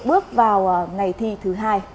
bước vào ngày thi thứ hai